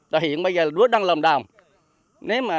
tại hiện bây giờ lúa đang lầm đàm